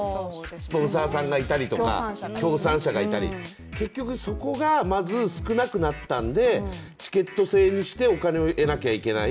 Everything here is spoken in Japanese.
スポンサーさんがいたりとか協賛さんがいたり結局そこがまず少なくなったんで、チケット制にしてお金を得なきゃいけない